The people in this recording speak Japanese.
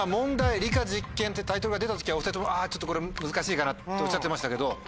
理科実験ってタイトルが出た時はお２人とも「あちょっとこれ難しいかな」っておっしゃってましたけど。